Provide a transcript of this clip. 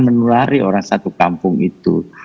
menulari orang satu kampung itu